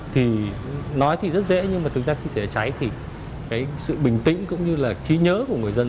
thì nói thì rất dễ nhưng mà thực ra khi xảy ra cháy thì cái sự bình tĩnh cũng như là trí nhớ của người dân